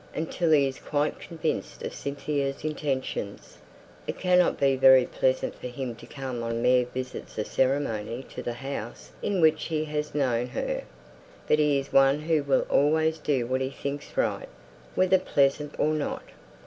Until he's quite convinced of Cynthia's intentions, it can't be very pleasant for him to come on mere visits of ceremony to the house in which he has known her; but he's one who will always do what he thinks right, whether pleasant or not."